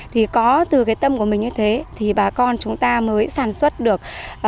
thì có từ cái tâm của mình như thế thì bà con chúng ta mới sản xuất được